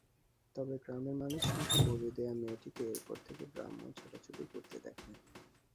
তবে গ্রামের মানুষেরা নাকি বলি দেয়া মেয়েটিকে এর পর থেকে গ্রামময় ছুটোছুটি করতে দেখে।